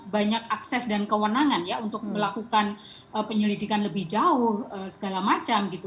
banyak akses dan kewenangan ya untuk melakukan penyelidikan lebih jauh segala macam gitu